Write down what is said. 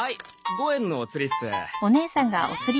５円のおつりっす。